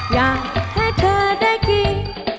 อยากให้เธอได้กิน